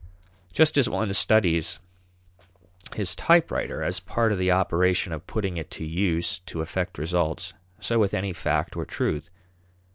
Just as one "studies" his typewriter as part of the operation of putting it to use to effect results, so with any fact or truth.